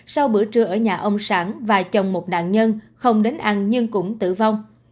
sau bữa trưa ở nhà ông sản và chồng một nạn nhân không đến ăn nhưng cũng tử vong